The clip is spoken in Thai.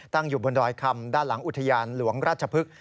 ตั้งอยู่บนโดยคำด้านหลังอุทยานหลวงรัชพฤษ